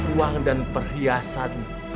uang dan perhiasan